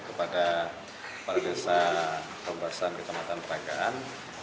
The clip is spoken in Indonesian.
kepada para desa pembahasan ketamatan perangkaan